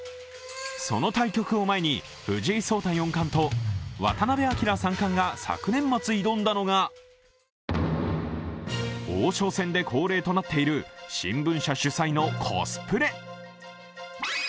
その対局を前に藤井聡太四冠と渡辺明三冠が昨年末挑んだのが王将戦で恒例となっている、新聞社主催のコスプレ。